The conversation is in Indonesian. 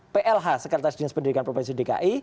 plh sekretaris dinas pendidikan provinsi dki